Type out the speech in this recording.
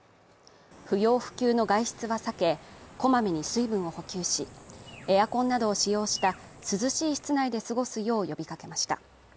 不要不急の外出は避け、小まめに水分を補給しエアコンなどを使用した涼しい室内で過ごすよう呼びかけました。